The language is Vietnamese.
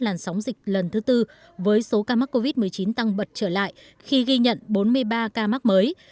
làn sóng dịch lần thứ tư với số ca mắc covid một mươi chín tăng bật trở lại khi ghi nhận bốn mươi ba ca mắc mới